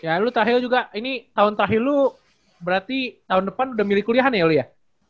ya lu tahel juga ini tahun terakhir lu berarti tahun depan udah milih kuliahan ya oli ya